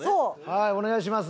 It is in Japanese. はいお願いします。